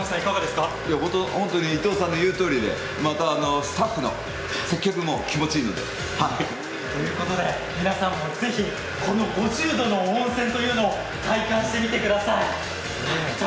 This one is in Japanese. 本当に伊藤さんの言うとおりでまた、スタッフの接客も気持ちいいので。ということで、皆さんもぜひ５０度の温泉というのを体感してみてください。